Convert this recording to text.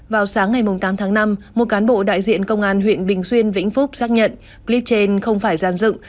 vào sáng ngày tám tháng năm một cán bộ đại diện công an huyện bình xuyên vĩnh phúc xác nhận clip trên không phải gian dựng